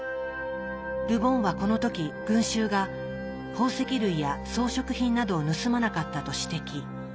ル・ボンはこの時群衆が宝石類や装飾品などを盗まなかったと指摘。